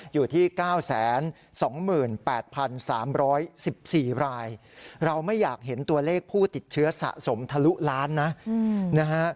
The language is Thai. อยู่ที่๙๒๘๓๑๔รายเราไม่อยากเห็นตัวเลขผู้ติดเชื้อสะสมทะลุล้านนะนะฮะ